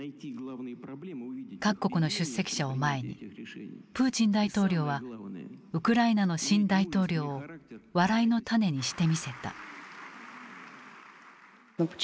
各国の出席者を前にプーチン大統領はウクライナの新大統領を笑いのタネにしてみせた。